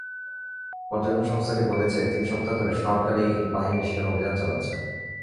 পর্যবেক্ষণ সংস্থাটি বলেছে, তিন সপ্তাহ ধরে সরকারি বাহিনী সেখানে অভিযান চালাচ্ছে।